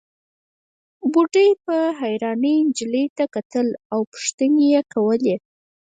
بوډۍ په حيرانۍ نجلۍ ته کتل او پوښتنې يې کولې.